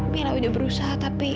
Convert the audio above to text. mila sudah berusaha tapi